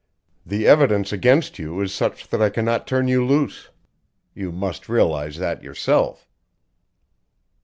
The evidence against you is such that I cannot turn you loose. You must realize that yourself."